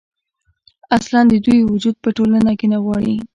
اصـلا د دوي وجـود پـه ټـولـنـه کـې نـه غـواړي.